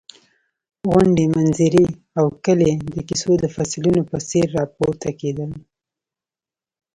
غونډۍ، منظرې او کلي د کیسو د فصلونو په څېر راپورته کېدل.